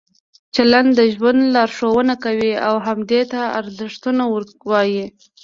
چلند د ژوند لارښوونه کوي او همدې ته ارزښتونه وایي.